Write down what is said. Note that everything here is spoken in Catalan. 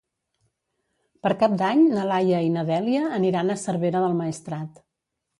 Per Cap d'Any na Laia i na Dèlia aniran a Cervera del Maestrat.